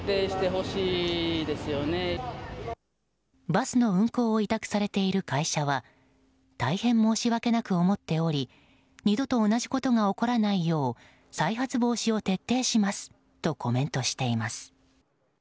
バスの運行を委託されている会社は大変申し訳なく思っており二度と同じことが起こらないよう再発防止を徹底しますとコメントしています。